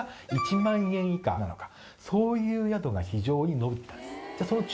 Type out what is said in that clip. そういう宿が非常に伸びてたんです。